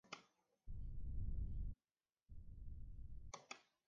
Dichos derechos quedaron garantizados, junto a otros, para todos los habitantes del imperio.